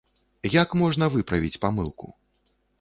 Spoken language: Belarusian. Як можна выправіць памылку?